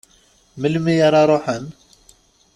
Melmi ara ruḥen?